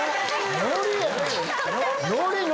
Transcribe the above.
ノリやん。